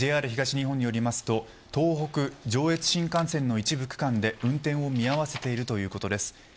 ＪＲ東日本よりますと東北上越新幹線の一部区間で運転を見合わせているということです。